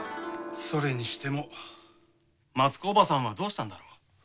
それにしても松子伯母さんはどうしたんだろ？